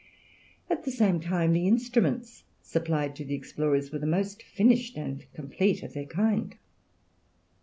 At the same time the instruments supplied to the explorers were the most finished and complete of their kind.